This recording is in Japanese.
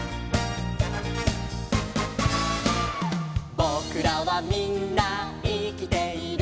「ぼくらはみんないきている」